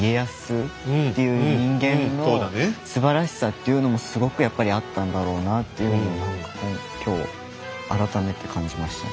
すばらしさっていうのもすごくやっぱりあったんだろうなっていうのを何か今日改めて感じましたね。